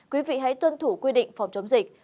quý vị hãy tuân thủ quy định phòng chống dịch